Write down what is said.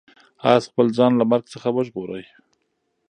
آس خپل ځان له مرګ څخه وژغوره.